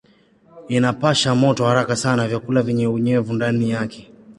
Inapasha moto haraka sana vyakula vyenye unyevu ndani yake.